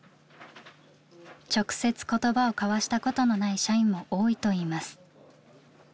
直接言葉を交わしたことのない社員も多いといいます。